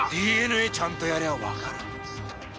ＤＮＡちゃんとやりゃあわかる。